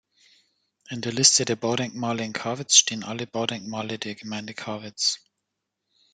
In der Liste der Baudenkmale in Karwitz stehen alle Baudenkmale der Gemeinde Karwitz.